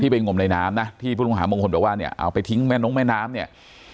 ไปงมในน้ำนะที่ผู้ต้องหามงคลบอกว่าเนี่ยเอาไปทิ้งแม่น้องแม่น้ำเนี่ย